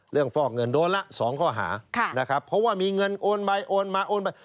ฟอกเงินโดนละ๒ข้อหานะครับเพราะว่ามีเงินโอนไปโอนมาโอนไป